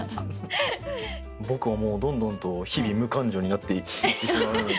僕はもうどんどんと日々無感情になっていってしまうので。